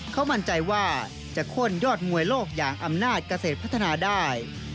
เขามั่นใจว่าจะข้นยอดมวยโลกอย่างอำนาจเกษตรพัฒนาได้